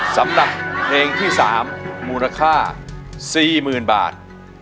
สำหรับเพลงที่๓มูลค่า๔๐๐๐บาท